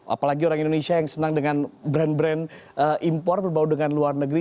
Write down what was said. apalagi orang indonesia yang senang dengan brand brand impor berbau dengan luar negeri